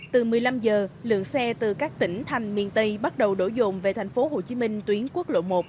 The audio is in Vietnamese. từ một mươi năm giờ lượng xe từ các tỉnh thành miền tây bắt đầu đổ dồn về thành phố hồ chí minh tuyến quốc lộ một